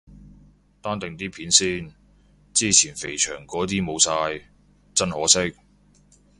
單定啲片先，之前肥祥嗰啲冇晒，真可惜。